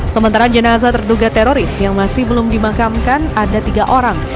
sementara jenazah terduga teroris yang masih belum dimakamkan ada tiga orang